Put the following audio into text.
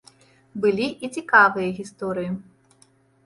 Былі і цікавыя гісторыі.